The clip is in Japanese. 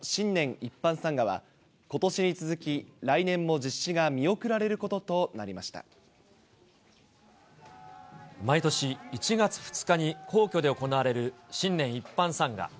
一般参賀はことしに続き来年も実施が見送られること毎年、１月２日に皇居で行われる新年一般参賀。